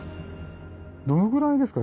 どのぐらいですか？